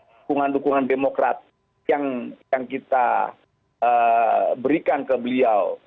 dukungan dukungan demokrat yang kita berikan ke beliau